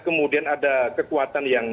kemudian ada kekuatan yang